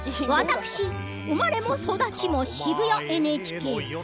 私、生まれも育ちも渋谷 ＮＨＫ。